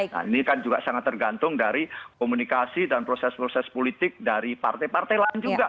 nah ini kan juga sangat tergantung dari komunikasi dan proses proses politik dari partai partai lain juga